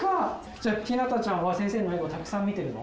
じゃあひなたちゃんは先生の笑顔たくさん見てるの？